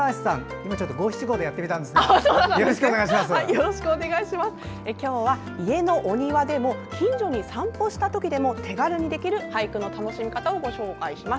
今日は家のお庭でも近所に散歩したときでも手軽にできる俳句の楽しみ方をご紹介します。